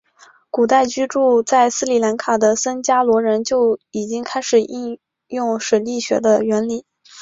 古代居住在斯里兰卡的僧伽罗人就已经开始应用水力学的原理。